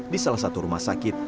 di salah satu rumah sakit